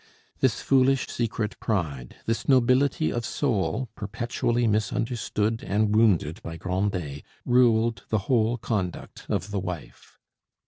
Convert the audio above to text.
This foolish secret pride, this nobility of soul perpetually misunderstood and wounded by Grandet, ruled the whole conduct of the wife.